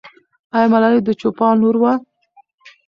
آیا ملالۍ د چوپان لور وه؟